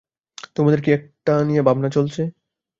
তোমাদের কী একটা নিয়ে ভাবনা চলছে।